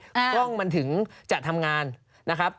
กล้องมันถึงจะทำงานนะครับ